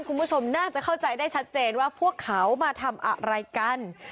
คุณผู้ชมน่าจะเข้าใจได้ชัดเจนว่าพวกเขามาทำอะไรกัน